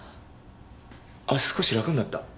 あ少し楽になった。